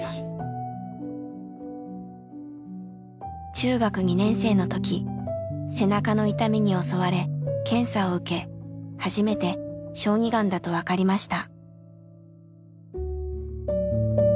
中学２年生の時背中の痛みに襲われ検査を受け初めて小児がんだと分かりました。